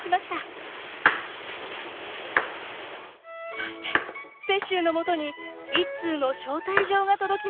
そして雪洲のもとに一通の招待状が届きます。